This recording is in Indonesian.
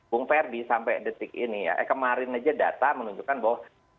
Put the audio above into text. bung ferdi sampai detik ini eh kemarin saja datang menunjukkan bahwa